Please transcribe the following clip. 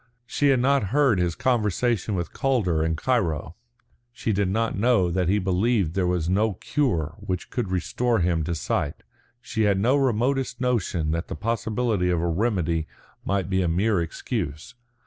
She had not heard his conversation with Calder in Cairo. She did not know that he believed there was no cure which could restore him to sight. She had no remotest notion that the possibility of a remedy might be a mere excuse.